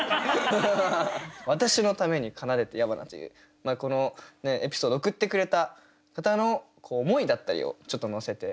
「私のために奏でて矢花」というこのエピソード送ってくれた方の思いだったりをちょっと乗せて。